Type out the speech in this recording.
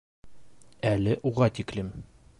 - Әле уға тиклем...